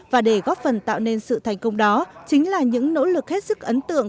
và để góp phần tạo nên sự thành công đó chính là những nỗ lực hết sức ấn tượng